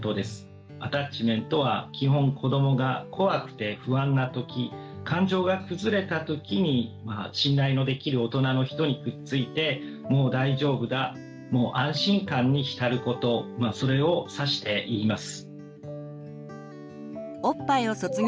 アタッチメントは基本子どもが怖くて不安な時感情が崩れた時に信頼のできる大人の人にくっついてもう大丈夫だ安心感に浸ることそれを指して言います。